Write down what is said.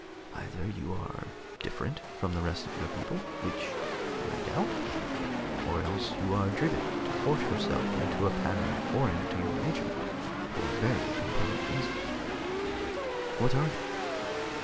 Either you are different from the rest of your people which I doubt or else you are driven to force yourself into a pattern foreign to your nature for very compelling reasons. What are they?